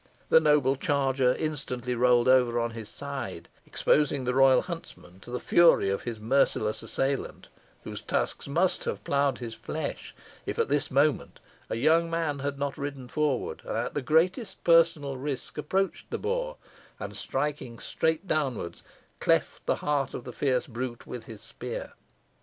The noble charger instantly rolled over on his side, exposing the royal huntsman to the fury of his merciless assailant, whose tusks must have ploughed his flesh, if at this moment a young man had not ridden forward, and at the greatest personal risk approached the boar, and, striking straight downwards, cleft the heart of the fierce brute with his spear.